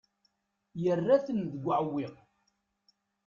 Yettarra-ten deg uɛewwiq.